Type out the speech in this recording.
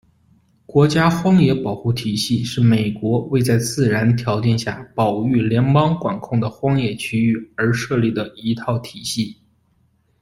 国家荒野保护体系是美国为在自然条件下保育联邦管控的荒野区域而设立的一套体系。